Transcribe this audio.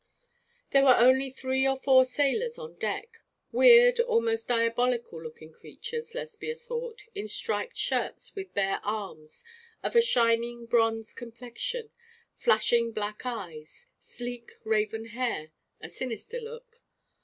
There were only three or four sailors on deck, weird, almost diabolical looking creatures, Lesbia thought, in striped shirts, with bare arms, of a shining bronze complexion, flashing black eyes, sleek raven hair, a sinister look.